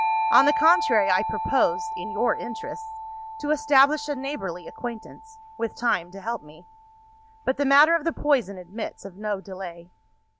On the contrary, I propose (in your interests) to establish a neighbourly acquaintance with time to help me. But the matter of the poison admits of no delay.